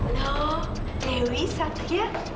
loh lewi satya